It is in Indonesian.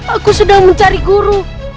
aku sedang mencari guru